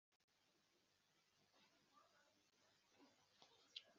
muri iki gihe abana bose barangana